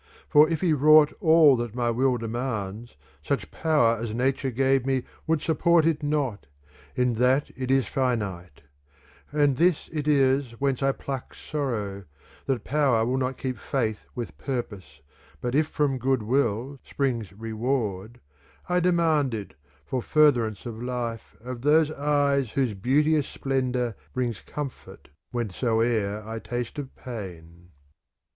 A For if he wrought all that my will demands such power as nature gave me would support it not, in that it is finite : and this it is whence I pluck sorrow, that power will not keep faith with purpose, but if from goodwill springs reward, I demand it, for furtherance of life, of those eyes whose beauteous splen dour brings comfort whensoe'er I taste of pain.